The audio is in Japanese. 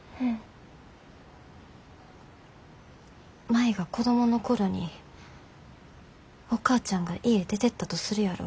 舞が子供の頃にお母ちゃんが家出てったとするやろ。